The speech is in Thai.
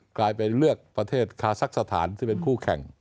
กลายไปเลือกประเทศค่าสรรคสถานก่อนที่เป็นคู่แข่ง